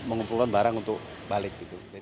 pengumpulkan barang untuk balik